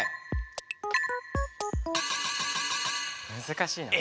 難しいな。